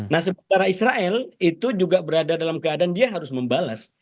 nah sementara israel itu juga berada dalam keadaan dia harus membalas